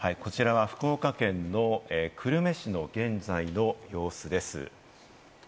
福岡県の久留米市の現在の様子です。